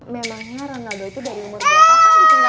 memangnya rondaldo itu dari umur kira kapan